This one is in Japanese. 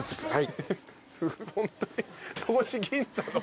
はい。